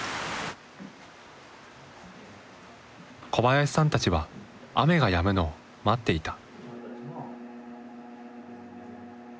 小林さんたちは雨がやむのを待っていた。